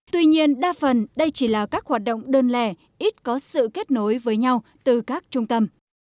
tuy nhiên đa phần đây chỉ là các hoạt động đơn lẻ ít có sự kết nối với nhau từ các trung tâm